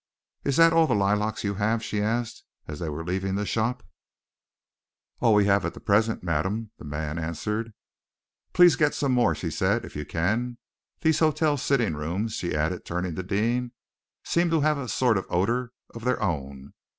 "Is that all the lilacs you have?" she asked, as they were leaving the shop. "All we have at present, madam," the man answered. "Please get some more," she said, "if you can. These hotel sitting rooms," she added, turning to Deane, "seem to have a sort of odor of their own.